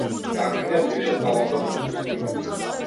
Дамјан ја брише таблата со сув сунѓер.